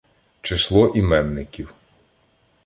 Число іменників